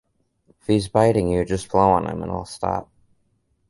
If he's biting you, just blow on him and he'll stop.